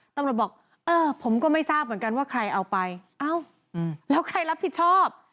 ตำรวจบอกเออผมก็ไม่ทราบเหมือนกันว่าใครเอาไปเอ้าแล้วใครรับผิดชอบ